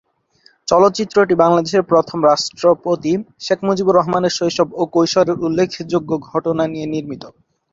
চলচ্চিত্রটি বাংলাদেশের প্রথম রাষ্ট্রপতি শেখ মুজিবুর রহমানের শৈশব ও কৈশোরের উল্লেখযোগ্য ঘটনা নিয়ে নির্মিত।